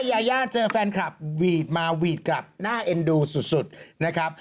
ยายาเจอแฟนคลับหวีดมาหวีดกลับน่าเอ็นดูสุดนะครับ